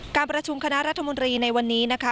การประชุมคณะรัฐมนตรีในวันนี้นะคะ